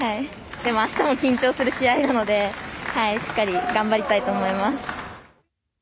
でもあしたも緊張する試合なのでしっかり頑張りたいと思います。